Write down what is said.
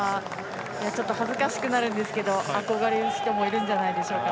ちょっと恥ずかしくなるんですけど憧れる人もいるんじゃないんですか。